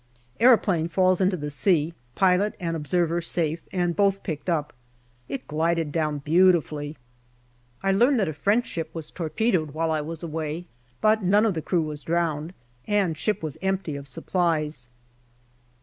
Aeroplane falls into the s^a ; pilot and observer safe, and both picked up. It glided down beautifully. I learn that a French ship was torpedoed while I was away, but none of the crew was drowned, and ship was empty of supplies.